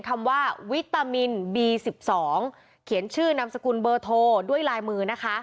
คำว่าวิตามินบี๑๒เขียนชื่อนามสกุลเบอร์โทรด้วยลายมือนะคะ